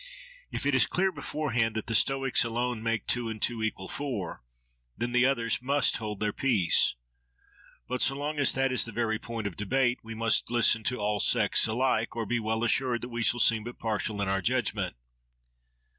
If it is clear beforehand that the Stoics alone make two and two equal four, then the others must hold their peace. But so long as that is the very point of debate, we must listen to all sects alike, or be well assured that we shall seem but partial in our judgment.